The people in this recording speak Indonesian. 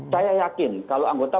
saya yakin kalau anggota